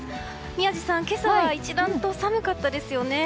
宮司さん、今朝は一段と寒かったですよね。